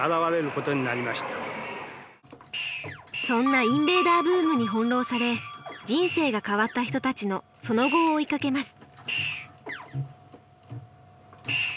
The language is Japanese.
そんなインベーダーブームに翻弄され人生が変わった人たちのその後を追いかけます。